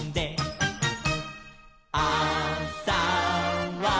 「あさは」